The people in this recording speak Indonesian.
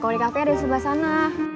komunikafenya ada di sebelah sana